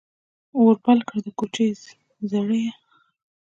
اور بل کړه ، د کوچي زریه !